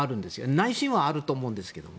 内心はあると思うんですけども。